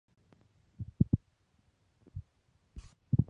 Модернизация во имя империи.